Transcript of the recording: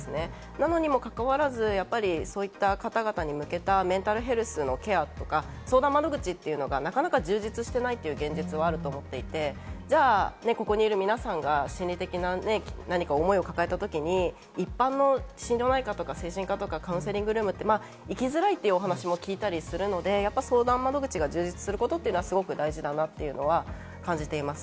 なのにも関わらず、そういった方々に向けたメンタルヘルスのケアとか、相談窓口がなかなか充実していない現実があると思っていて、ここにいる皆さんが心理的な思いを抱えたときに一般の心療内科とか精神科とかカウンセリングルームとか行きづらいというお話も聞いたりするので、相談窓口が充実することは大事だなと感じています。